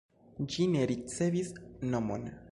Ĝi ne ricevis nomon.